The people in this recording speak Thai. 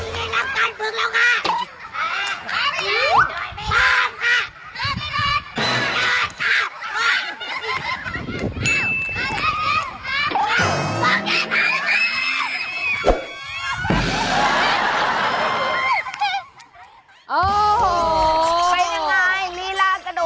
การฝึกแล้วค่ะ